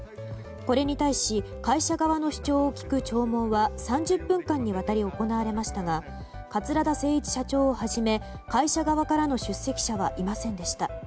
これに対し会社側の主張を聞く聴聞は３０分間にわたり行われましたが桂田精一社長をはじめ会社側からの出席者はいませんでした。